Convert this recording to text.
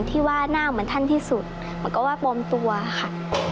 ที่ว่านั่งเหมือนท่านที่สุดมันก็ว่าปลอมตัวค่ะ